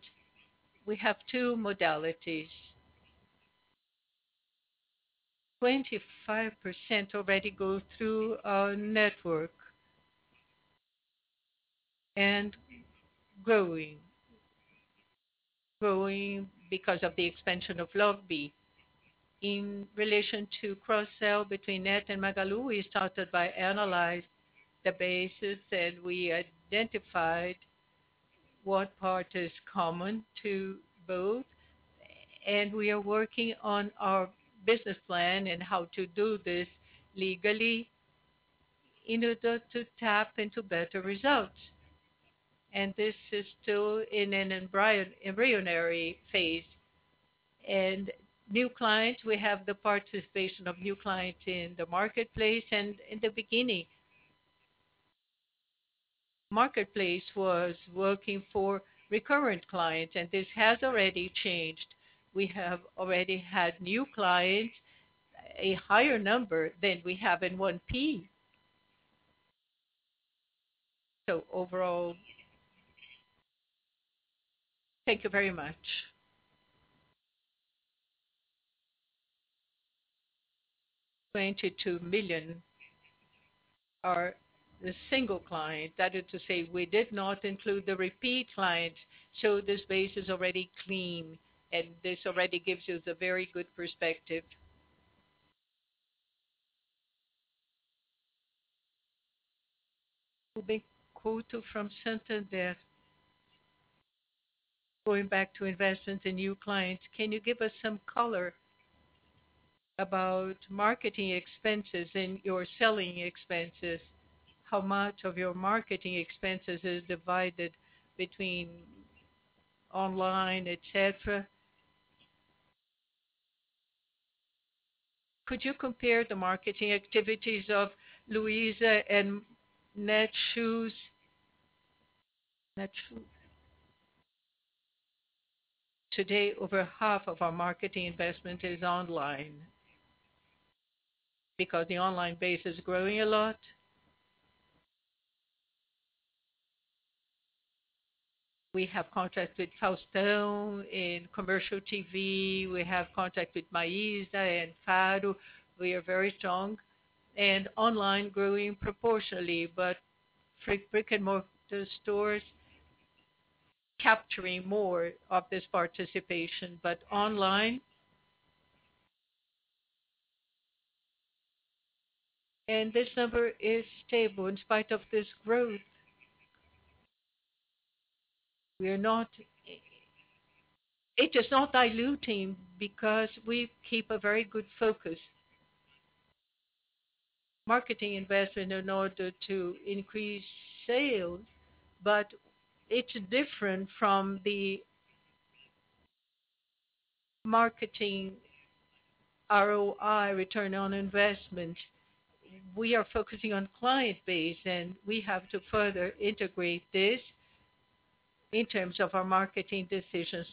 we have two modalities. 25% already go through our network, and growing. Growing because of the expansion of Loggi. In relation to cross-sell between Net and Magalu, we started by analyzing the bases, and we identified what part is common to both. We are working on our business plan and how to do this legally in order to tap into better results. This is still in an embryonic phase. New clients, we have the participation of new clients in the marketplace. In the beginning, marketplace was working for recurrent clients, and this has already changed. We have already had new clients, a higher number than we have in 1P. Overall. Thank you very much. BRL 22 million are the single client. That is to say, we did not include the repeat clients, so this base is already clean, and this already gives us a very good perspective. Ruben Couto from Santander. Going back to investments in new clients, can you give us some color about marketing expenses and your selling expenses? How much of your marketing expenses is divided between online, et cetera? Could you compare the marketing activities of Luiza and Netshoes? Netshoes. Today, over half of our marketing investment is online because the online base is growing a lot. We have contracts with Faustão in commercial TV. We have contract with Maísa and Faro. We are very strong and online growing proportionally, but brick-and-mortar stores capturing more of this participation. Online. This number is stable in spite of this growth. It is not diluting because we keep a very good focus. Marketing investment in order to increase sales, it's different from the marketing ROI, return on investment. We are focusing on client base, we have to further integrate this in terms of our marketing decisions.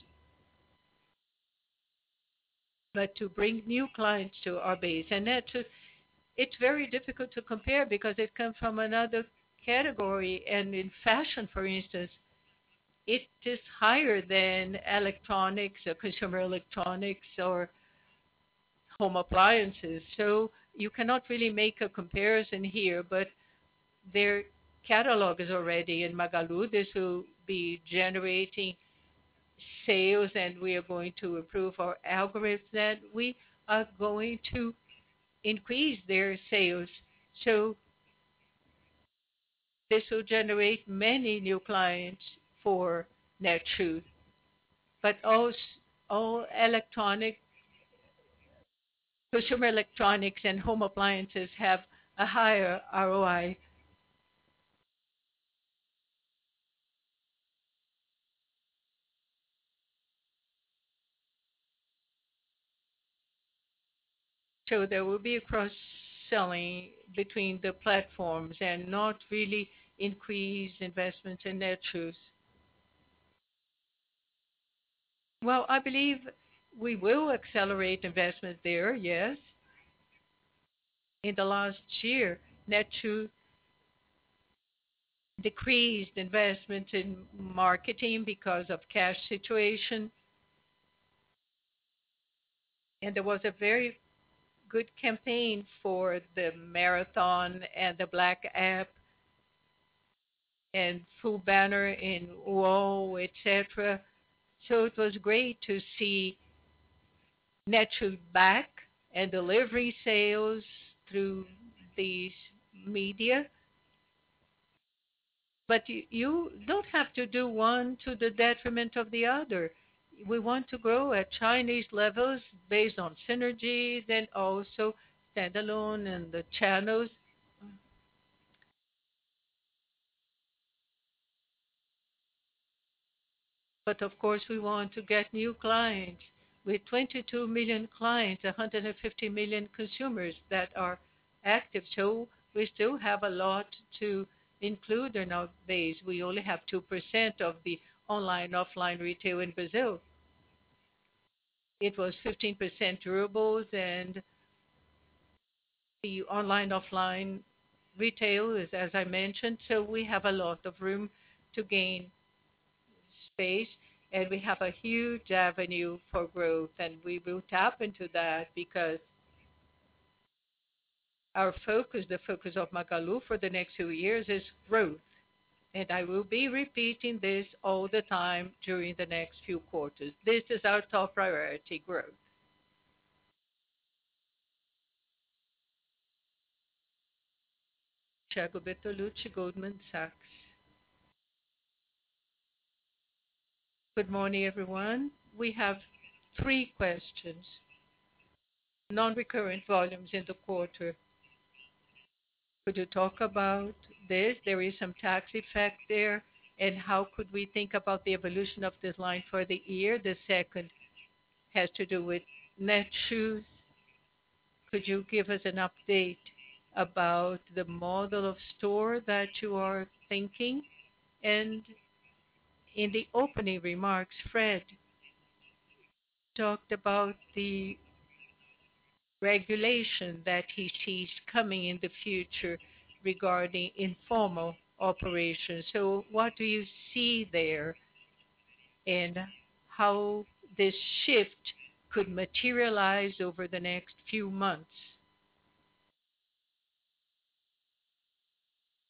To bring new clients to our base. Netshoes, it's very difficult to compare because it comes from another category. In fashion, for instance, it is higher than electronics or consumer electronics or home appliances. You cannot really make a comparison here, but their catalog is already in Magalu. This will be generating sales, and we are going to improve our algorithms that we are going to increase their sales. This will generate many new clients for Netshoes. All electronic, consumer electronics, and home appliances have a higher ROI. There will be cross-selling between the platforms and not really increased investments in Netshoes. Well, I believe we will accelerate investment there, yes. In the last year, Netshoes decreased investment in marketing because of cash situation. There was a very good campaign for the marathon and the Black APP, and full banner in UOL, et cetera. It was great to see Netshoes back and delivery sales through these media. You don't have to do one to the detriment of the other. We want to grow at Chinese levels based on synergies and also standalone and the channels. Of course, we want to get new clients. With 22 million clients, 150 million consumers that are active, we still have a lot to include in our base. We only have 2% of the online, offline retail in Brazil. It was 15% durables and the online, offline retail is as I mentioned, so we have a lot of room to gain space, and we have a huge avenue for growth. We will tap into that because our focus, the focus of Magalu for the next few years is growth. I will be repeating this all the time during the next few quarters. This is our top priority, growth. Thiago Bortoluci, Goldman Sachs. Good morning, everyone. We have three questions. Non-recurrent volumes in the quarter. Could you talk about this? There is some tax effect there. How could we think about the evolution of this line for the year? The second has to do with Netshoes. Could you give us an update about the model of store that you are thinking? In the opening remarks, Fred talked about the regulation that he sees coming in the future regarding informal operations. What do you see there, and how this shift could materialize over the next few months?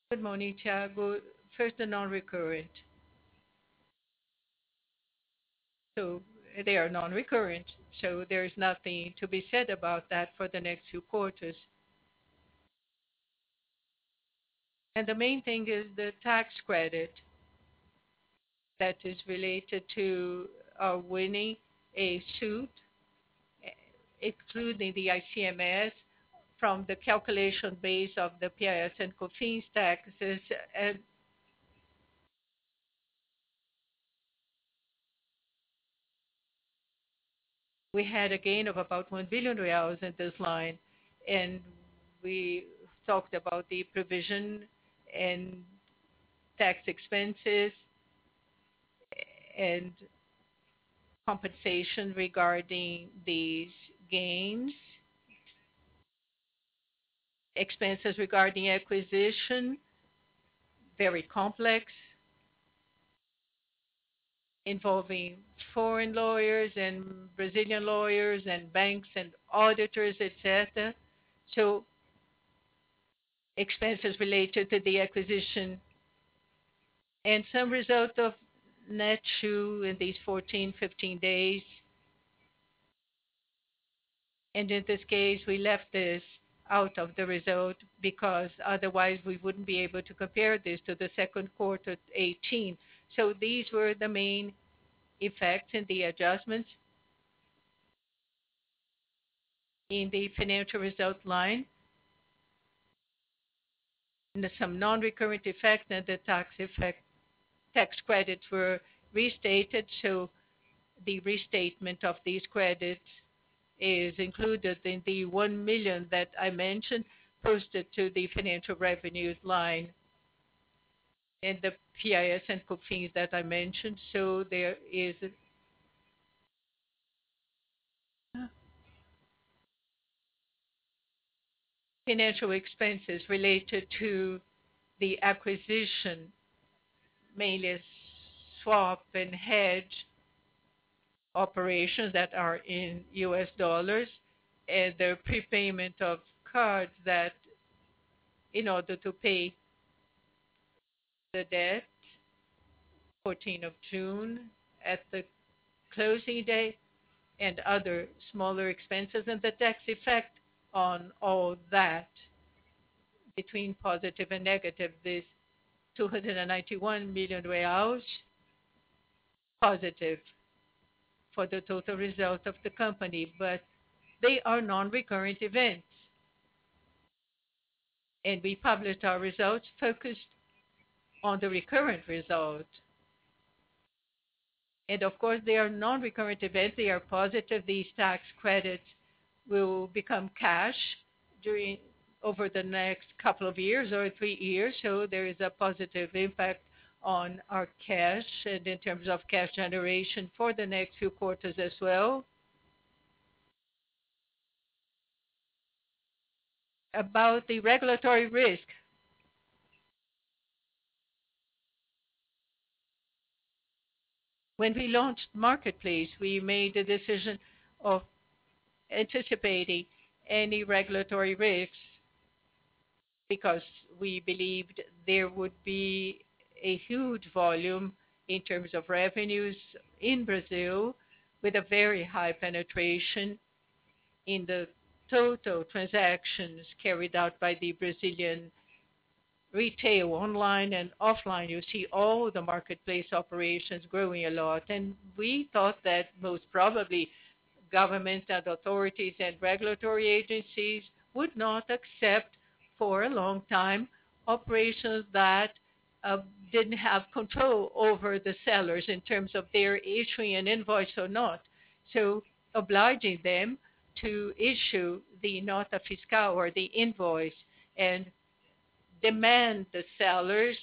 Good morning, Thiago. First, the non-recurrent. They are non-recurrent, so there is nothing to be said about that for the next few quarters. The main thing is the tax credit that is related to winning a suit, excluding the ICMS from the calculation base of the PIS and COFINS taxes. We had a gain of about 1 billion reais in this line, and we talked about the provision and tax expenses, and compensation regarding these gains. Expenses regarding acquisition, very complex, involving foreign lawyers and Brazilian lawyers and banks and auditors, et cetera. Expenses related to the acquisition. Some result of Netshoes in these 14, 15 days. In this case, we left this out of the result because otherwise we wouldn't be able to compare this to the second quarter 2018. These were the main effects and the adjustments in the financial result line. Some non-recurrent effects and the tax credits were restated, so the restatement of these credits is included in the 1 billion that I mentioned, posted to the financial revenues line. The PIS and COFINS that I mentioned, financial expenses related to the acquisition, mainly swap and hedge operations that are in US dollars, and the prepayment of cards that in order to pay the debt, 14th of June at the closing date, and other smaller expenses and the tax effect on all that between positive and negative, this 291 million positive for the total result of the company. They are non-recurrent events. We published our results focused on the recurrent result. Of course, they are non-recurrent events. They are positive. These tax credits will become cash over the next couple of years or three years. There is a positive impact on our cash, and in terms of cash generation for the next few quarters as well. About the regulatory risk. When we launched Marketplace, we made the decision of anticipating any regulatory risks because we believed there would be a huge volume in terms of revenues in Brazil with a very high penetration in the total transactions carried out by the Brazilian retail. Online and offline, you see all the marketplace operations growing a lot. We thought that most probably governments and authorities and regulatory agencies would not accept, for a long time, operations that didn't have control over the sellers in terms of their issuing an invoice or not. Obliging them to issue the nota fiscal or the invoice and demand the sellers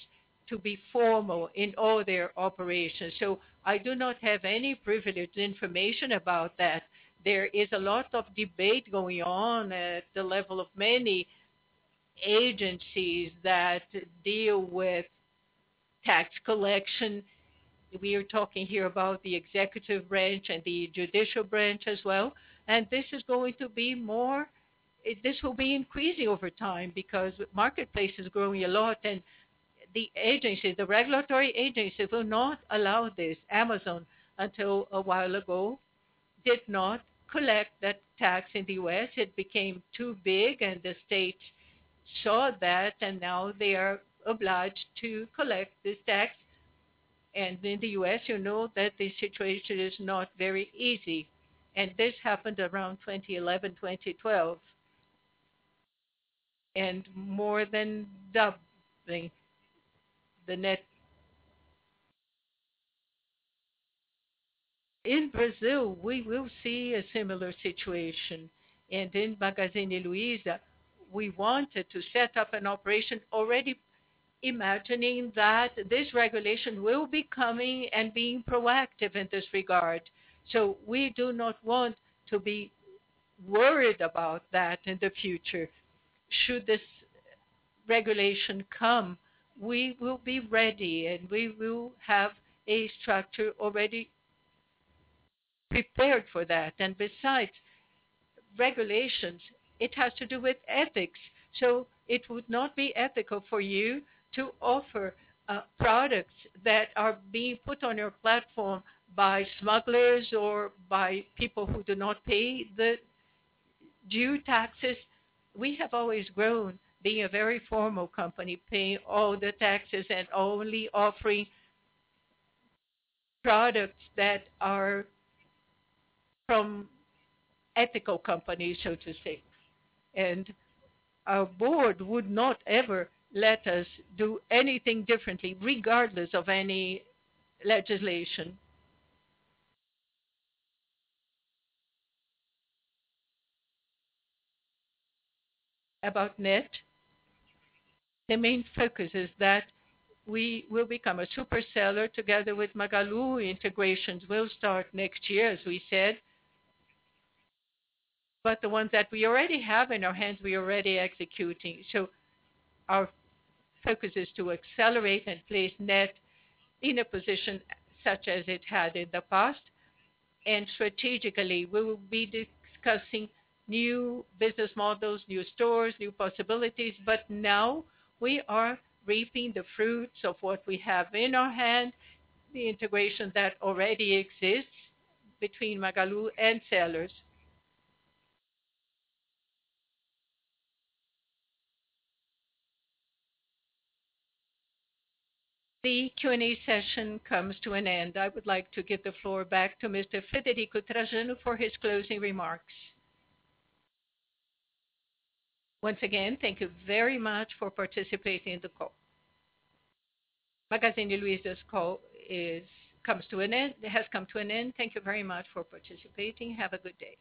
to be formal in all their operations. I do not have any privileged information about that. There is a lot of debate going on at the level of many agencies that deal with tax collection. We are talking here about the executive branch and the judicial branch as well. This will be increasing over time because Marketplace is growing a lot, and the regulatory agency will not allow this. Amazon, until a while ago, did not collect that tax in the U.S. It became too big, and the state saw that, and now they are obliged to collect this tax. In the U.S., you know that the situation is not very easy, and this happened around 2011, 2012. More than doubling the net. In Brazil, we will see a similar situation. In Magazine Luiza, we wanted to set up an operation already imagining that this regulation will be coming and being proactive in this regard. We do not want to be worried about that in the future. Should this regulation come, we will be ready, and we will have a structure already prepared for that. Besides regulations, it has to do with ethics. It would not be ethical for you to offer products that are being put on your platform by smugglers or by people who do not pay the due taxes. We have always grown being a very formal company, paying all the taxes and only offering products that are from ethical companies, so to say. Our board would not ever let us do anything differently, regardless of any legislation. About Netshoes, the main focus is that we will become a super seller together with Magalu. Integrations will start next year, as we said. The ones that we already have in our hands, we are already executing. Our focus is to accelerate and place Netshoes in a position such as it had in the past. Strategically, we will be discussing new business models, new stores, new possibilities. Now we are reaping the fruits of what we have in our hand, the integration that already exists between Magalu and sellers. The Q&A session comes to an end. I would like to give the floor back to Mr. Frederico Trajano for his closing remarks. Once again, thank you very much for participating in the call. Magazine Luiza's call has come to an end. Thank you very much for participating. Have a good day.